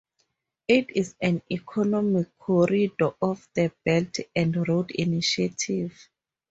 It is an economic corridor of the Belt and Road Initiative.